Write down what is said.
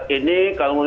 ini kalau mengikut